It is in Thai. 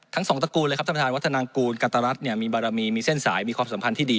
ทั้งสองตระกูลเลยครับท่านประธานวัฒนากูลกัตรัสเนี่ยมีบารมีมีเส้นสายมีความสัมพันธ์ที่ดี